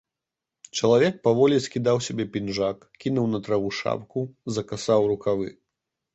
Чалавек паволі скідаў з сябе пінжак, кінуў на траву шапку, закасаў рукавы.